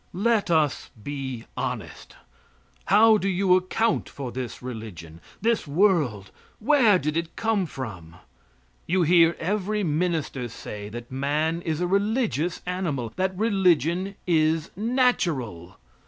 Let us be honest. How do you account for this religion? This world; where did it come from? You hear every minister say that man is a religious animal that religion is natural.